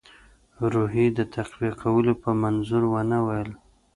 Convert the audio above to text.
روحیې د تقویه کولو په منظور ونه ویل.